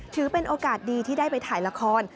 ถือเป็นโอกาสดีที่ได้ไปถ่ายละคร